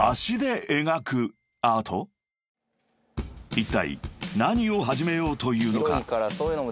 ［いったい何を始めようというのか？］